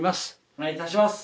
お願いいたします。